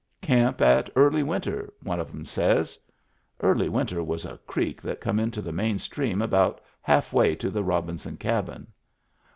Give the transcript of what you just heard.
"Camp at Early Winter," one of 'em says. Early Winter was a creek that come into the main stream about halfway to the Robinson Cabin.